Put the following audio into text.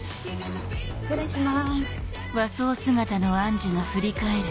失礼します。